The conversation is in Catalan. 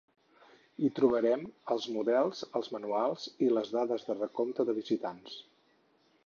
Hi trobarem els models, els manuals i les dades de recompte de visitants.